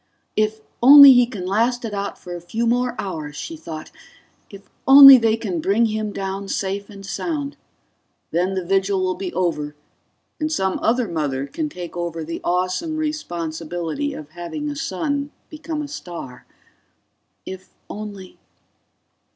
If only he can last it out for a few more hours, she thought. If only they can bring him down safe and sound. Then the vigil will be over, and some other mother can take over the awesome responsibility of having a son become a star If only